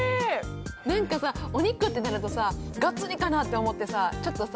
何かさお肉ってなるとさガッツリかなって思ってさちょっとさ